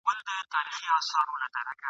پر دښمن باندي تاختونه !.